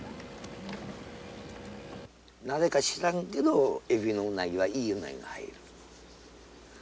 なぜか知らんけどエビのウナギはいいウナギが入る。